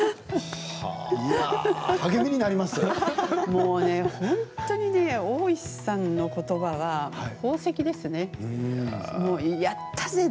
もうね、本当にね大石さんのことばは宝石ですね。